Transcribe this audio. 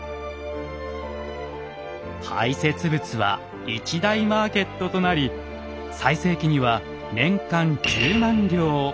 排せつ物は一大マーケットとなり最盛期には年間１０万両。